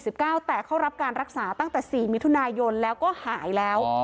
แต่เข้ารับการรักษาตั้งแต่๔มิถุนายนแล้วก็หายแล้ว